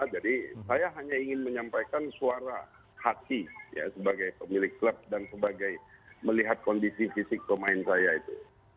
jadi saya hanya ingin menyampaikan suara hati sebagai pemilik klub dan sebagai melihat kondisi fisik pemain saya itu